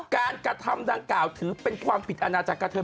กระทำดังกล่าวถือเป็นความผิดอาณาจักรเทิ